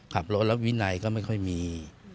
ขับรถแล้ววินัยก็ไม่ค่อยมี